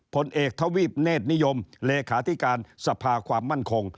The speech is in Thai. ผลเอกทวีปเนธนิยมเลขาธิการสภาความมั่นคง